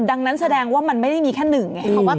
ดังนั้นแสดงว่ามันไม่ได้มีแค่หนึ่งไง